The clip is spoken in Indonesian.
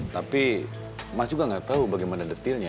tapi mas juga gak tau bagaimana detilnya